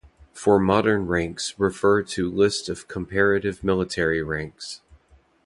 For modern ranks refer to List of comparative military ranks.